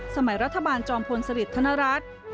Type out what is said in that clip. สมัยรัฐบาลจอมพลสริทธนรัฐ